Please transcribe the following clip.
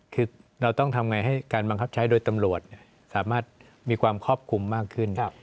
คือเราต้องทำไงให้การบังคับใช้โดยตำรวจสามารถมีความครอบคลุมมากขึ้น